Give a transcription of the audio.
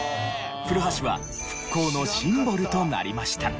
古橋は復興のシンボルとなりました。